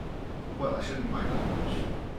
Well, I shouldn’t mind that much!